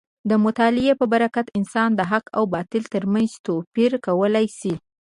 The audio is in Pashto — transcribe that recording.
د مطالعې په برکت انسان د حق او باطل تر منځ توپیر کولی شي.